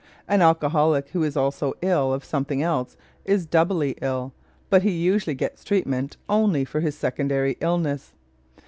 An alcoholic who is also ill of something else is doubly ill, but he usually gets treatment only for his secondary illness.